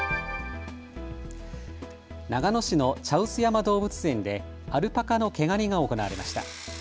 長野市の茶臼山動物園でアルパカの毛刈りが行われました。